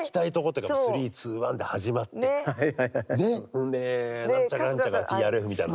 そんでナンチャカナンチャカＴＲＦみたいな。